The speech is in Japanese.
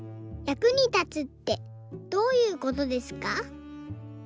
役に立つってどういうことですか？」。